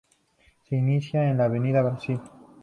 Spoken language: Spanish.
Se inicia en la avenida Brasil.